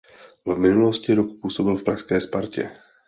V minulosti rok působil v pražské Spartě.